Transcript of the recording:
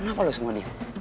kenapa lo semua diam